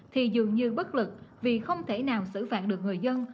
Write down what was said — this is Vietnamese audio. thì dường như bất lực vì không thể nào xử phạt được người dân